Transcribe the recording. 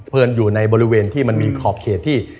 เอิญอยู่ในบริเวณที่มันมีขอบเขตที่